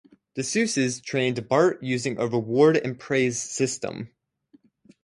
The Seuses trained Bart using a reward and praise system.